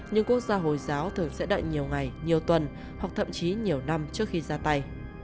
nhưng quốc gia hồi giáo thường sẽ đợi nhiều ngày nhiều tuần hoặc thậm chí nhiều năm trước khi ra tay